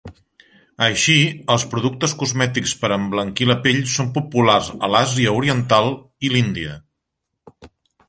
Així, els productes cosmètics per emblanquir la pell són populars a l'Àsia oriental i l'Índia.